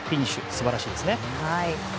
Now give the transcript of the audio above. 素晴らしいですね。